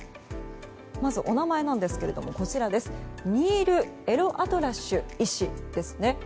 まず、お名前ですがニール・エルアトラッシュ医師です。